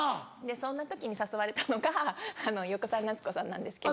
そんな時に誘われたのが横澤夏子さんなんですけど。